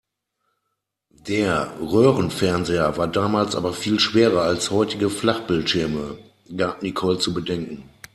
Der Röhrenfernseher war damals aber viel schwerer als heutige Flachbildschirme, gab Nicole zu bedenken.